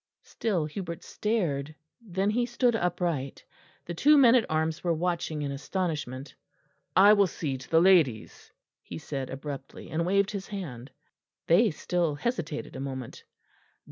Still Hubert stared; then he stood upright. The two men at arms were watching in astonishment. "I will see to the ladies," he said abruptly, and waved his hand. They still hesitated a moment.